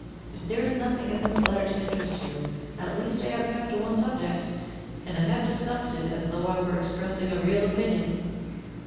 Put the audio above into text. If there is nothing in this letter to interest you, at least I have kept to one subject, and I have discussed it as though I were expressing a real opinion!